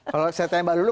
kalau saya tanya mbak dulu